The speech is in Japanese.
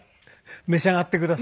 召し上がってください。